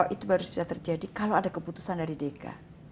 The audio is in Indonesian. itu baru bisa terjadi kalau ada keputusan dari deka